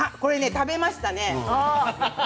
食べましたね。